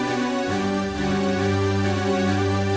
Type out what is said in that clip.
iya aku mau ke cidahu